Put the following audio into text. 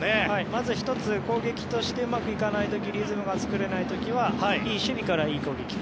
まずは１つ、攻撃としてうまくいかない時リズムが作れない時はいい守備から、いい攻撃。